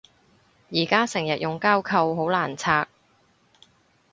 而家成日用膠扣好難拆